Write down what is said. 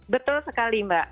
betul sekali mbak